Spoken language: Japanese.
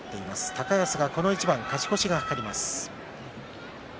高安が、この一番勝ち越しを懸けます。